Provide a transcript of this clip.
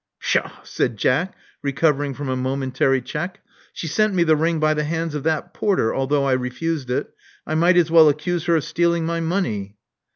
Pshaw!" said Jack, recovering from a momentary check, she sent me the ring by the hands of that porter, although I refused it. I might as well accuse her of stealing my money."